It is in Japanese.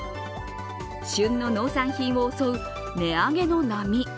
旬の農産品を襲う値上げの波。